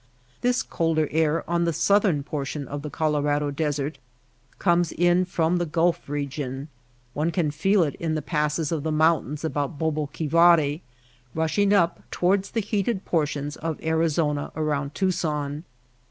This colder air on the southern portion of the Colo rado Desert comes in from the Gulf region. One can feel it in the passes of the mountains about Baboquivari, rushing up toward the heated portions of Arizona around Tucson.